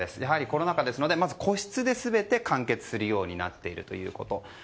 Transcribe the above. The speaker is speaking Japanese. コロナ禍ですので個室で全て完結するようになっていること。